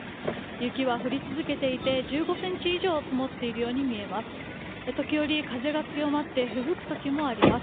雪は降り続いていて１５ｃｍ以上積もっているように見えます。